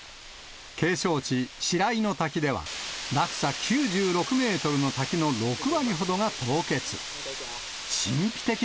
景勝地、白猪の滝では、落差９６メートルの滝の６割ほどが凍結。